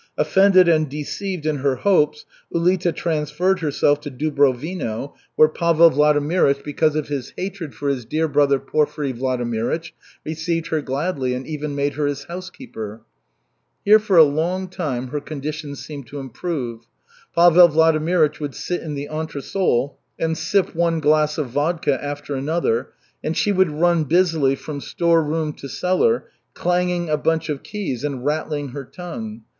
Offended and deceived in her hopes, Ulita transferred herself to Dubrovino, where Pavel Vladimirych, because of his hatred for his dear brother Porfiry Vladimirych, received her gladly and even made her his housekeeper. Here for a long time her condition seemed to improve. Pavel Vladimirych would sit in the entresol and sip one glass of vodka after another, and she would run busily from storeroom to cellar, clanging a bunch of keys, and rattling her tongue.